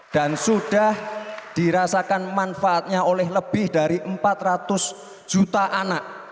dan sudah dirasakan manfaatnya oleh lebih dari empat ratus juta anak